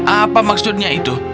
apa maksudnya itu